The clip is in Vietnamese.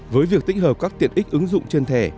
với việc tích hợp các tiện ích ứng dụng trên thẻ